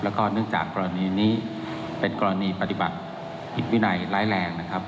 แล้วก็เนื่องจากกรณีนี้เป็นกรณีปฏิบัติผิดวินัยร้ายแรงนะครับ